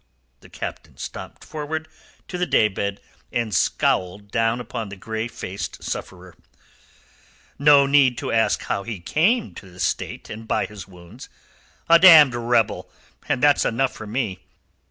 The Captain stamped forward to the day bed, and scowled down upon the grey faced sufferer. "No need to ask how he came in this state and by his wounds. A damned rebel, and that's enough for me."